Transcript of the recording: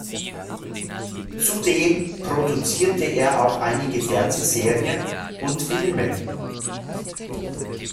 Zudem produzierte er auch einige Fernsehserien und -filme.